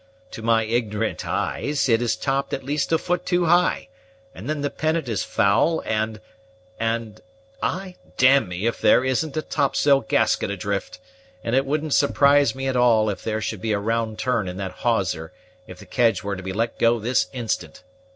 To my ignorant eyes, it is topped at least a foot too high; and then the pennant is foul; and and ay, d me, if there isn't a topsail gasket adrift; and it wouldn't surprise me at all if there should be a round turn in that hawser, if the kedge were to be let go this instant.